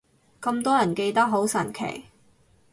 咁多人記得，好神奇